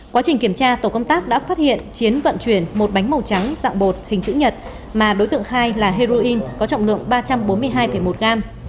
quá trình kiểm tra tổ công tác đã phát hiện chiến vận chuyển một bánh màu trắng dạng bột hình chữ nhật mà đối tượng khai là heroin có trọng lượng ba trăm bốn mươi hai một gram